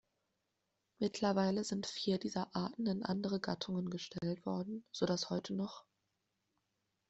Mittlerweile sind vier dieser Arten in andere Gattungen gestellt worden, sodass heute noch "Ch.